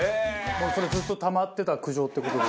もうそれずっとたまってた苦情って事で？